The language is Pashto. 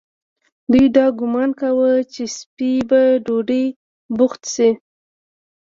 دوی دا ګومان کاوه چې سپۍ به په ډوډۍ بوخته شي.